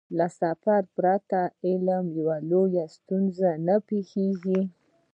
له سفر پرته په علم کې لويه زيادت نه پېښېږي.